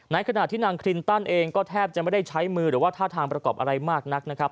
ในขณะที่นางคลินตันเองก็แทบจะไม่ได้ใช้มือหรือว่าท่าทางประกอบอะไรมากนักนะครับ